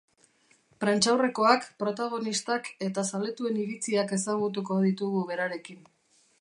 Prentsaurrekoak, protagonistak, eta zaletuen iritziak ezagutuko ditugu berarekin.